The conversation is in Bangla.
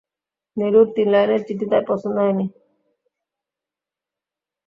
নীলুর তিন লাইনের চিঠি তার পছন্দ হয় নি।